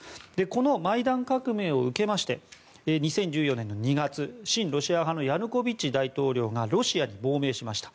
このマイダン革命を受けまして２０１４年２月親ロシア派のヤヌコビッチ大統領がロシアに亡命しました。